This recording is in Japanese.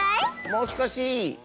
もうすこし？